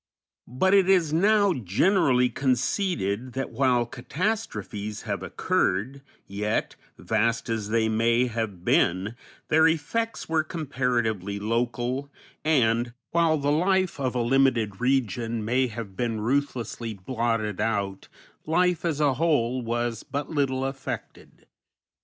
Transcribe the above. But it is now generally conceded that while catastrophes have occurred, yet, vast as they may have been, their effects were comparatively local, and, while the life of a limited region may have been ruthlessly blotted out, life as a whole was but little affected.